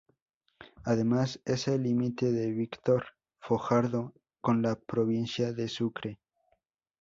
Además, es el límite de Víctor Fajardo con la provincia de Sucre.